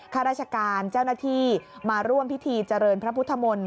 ข้าราชการเจ้าหน้าที่มาร่วมพิธีเจริญพระพุทธมนตร์